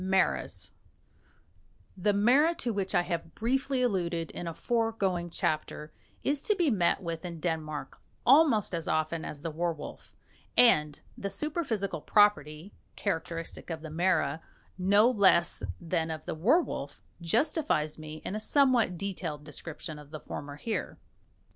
MARAS The mara, to which I have briefly alluded in a foregoing chapter, is to be met with in Denmark almost as often as the werwolf; and the superphysical property, characteristic of the mara no less than of the werwolf, justifies me in a somewhat detailed description of the former here.